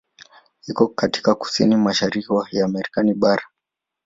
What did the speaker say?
Iko katika kusini mashariki ya Marekani bara.